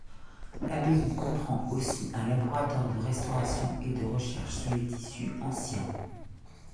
L'abbaye comprend aussi un laboratoire de restauration et de recherche sur les tissus anciens.